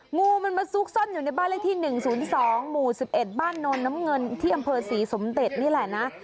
งูมันมาซุกซ่อนอยู่ในบ้านเลขที่๑๐๒หมู่๑๑บ้านโนนน้ำเงินที่อำเภอศรีสมเด็จนี่แหละนะ